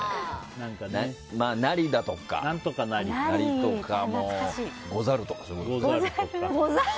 「なり」だとか「ござる」とかそういうことですか。